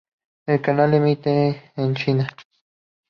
El canal emite en China.